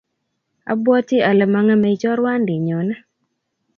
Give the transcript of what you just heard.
Abwoti ale mang'eme chorwandinyo ni